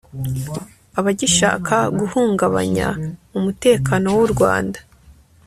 abagishaka guhungabanya umutekano w'u rwanda